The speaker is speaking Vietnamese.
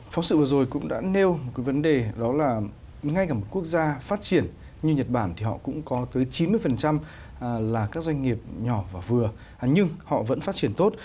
phóng sự vừa rồi cũng đã nêu một cái vấn đề đó là ngay cả một quốc gia phát triển như nhật bản thì họ cũng có tới chín mươi là các doanh nghiệp nhỏ và vừa nhưng họ vẫn phát triển tốt